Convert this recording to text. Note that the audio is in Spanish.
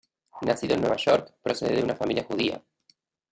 Nacido en Nueva York, procede de una familia judía.